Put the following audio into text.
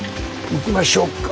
行きましょっか。